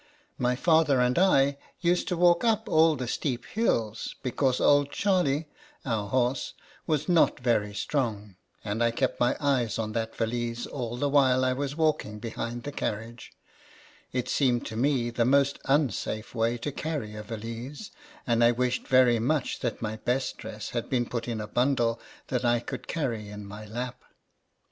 My father and I used to walk up all the steep hills, because old Charley, our horse, was not very strong ; and I kept my eyes on that valise all the while I was walking behind the car riage ; it seemed to me the most unsafe way to carry a valise, and I wished very much that my best dress had been put in a bundle that I could carry in my lap.